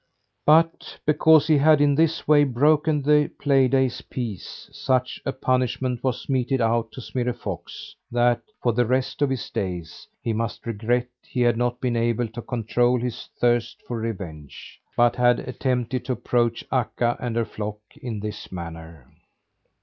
But because he had in this way broken the play day's peace, such a punishment was meted out to Smirre Fox that, for the rest of his days, he must regret he had not been able to control his thirst for revenge, but had attempted to approach Akka and her flock in this manner.